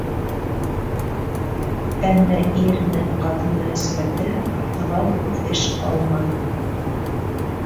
Әммә ир менән ҡатын мөнәсәбәте артабан үҫеш алманы.